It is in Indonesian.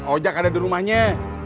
ojak ada di rumahnya